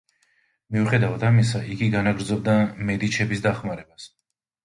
მიუხედავად ამისა, იგი განაგრძობდა მედიჩების დახმარებას.